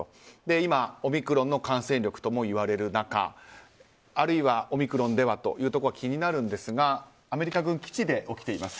今、オミクロンの感染力ともいわれる中あるいは、オミクロンではということが気になりますがアメリカ軍基地で起きています。